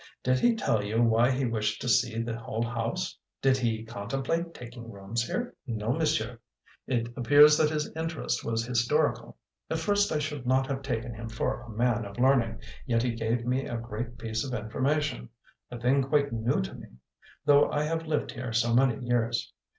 "Did he tell you why he wished to see the whole house? Did he contemplate taking rooms here?" "No, monsieur, it appears that his interest was historical. At first I should not have taken him for a man of learning, yet he gave me a great piece of information; a thing quite new to me, though I have lived here so many years.